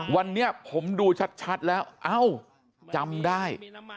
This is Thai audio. วันนี้ผมดูชัดแล้วเอ้าจำได้